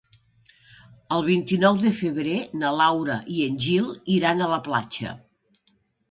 El vint-i-nou de febrer na Laura i en Gil iran a la platja.